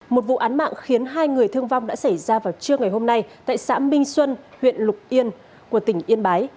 một vụ án mạng khiến hai người thương vong đã xảy ra vào trưa ngày hôm nay tại xã minh xuân huyện lục yên của tỉnh yên bái